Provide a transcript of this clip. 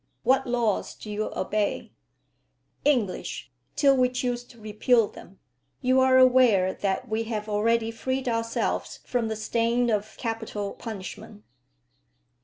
"What laws do you obey?" "English, till we choose to repeal them. You are aware that we have already freed ourselves from the stain of capital punishment."